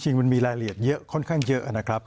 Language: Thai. จริงมันมีรายละเอียดเยอะค่อนข้างเยอะ